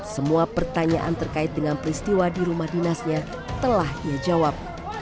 semua pertanyaan terkait dengan peristiwa di rumah dinasnya telah ia jawab